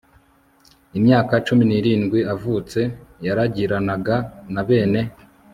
imyaka cumi n irindwi avutse yaragiranaga na bene